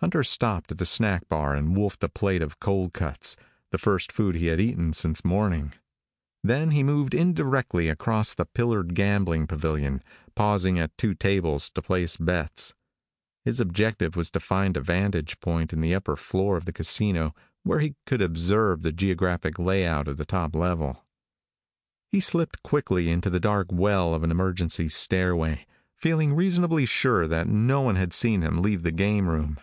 Hunter stopped at the snack bar and wolfed a plate of cold cuts, the first food he had eaten since morning. Then he moved indirectly across the pillared gambling pavilion, pausing at two tables to place bets. His objective was to find a vantage point in the upper floor of the casino where he could observe the geographic layout of the top level. He slipped quickly into the dark well of an emergency stairway, feeling reasonably sure that no one had seen him leave the game room.